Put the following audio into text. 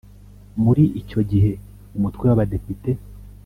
Muri icyo gihe umutwe w Abadepite